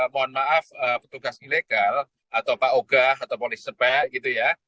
mohon maaf petugas ilegal atau pak ogah atau polisi sebak gitu ya